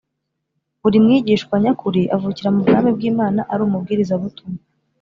. Buri mwigishwa nyakuri avukira mu bwami bw’Imana ari umubwirizabutumwa